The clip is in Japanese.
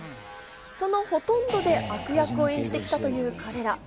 そのほとんどで悪役を演じてきたという彼ら。